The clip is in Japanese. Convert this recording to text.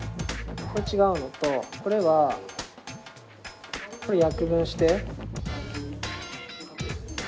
これ違うのとこれはこれ約分して。